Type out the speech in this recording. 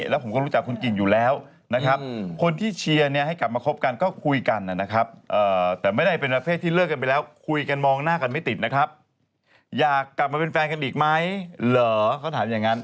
แปลกวิกฤตให้เป็นโอกาส